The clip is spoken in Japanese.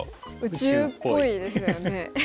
宇宙っぽいですよね。